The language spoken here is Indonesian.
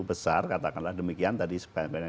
besar katakanlah demikian tadi sebanyak